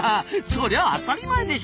そりゃ当たり前でしょう。